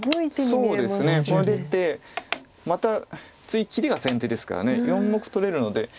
そうですね出てまた次切りが先手ですから４目取れるので。